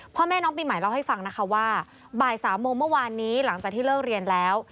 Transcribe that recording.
พ่อแม่น้องปีใหม่เล่าให้ฟังนะคะว่าบ่าย๓โมงเมื่อวานนี้หลังจากที่เลิกเรียนแล้ว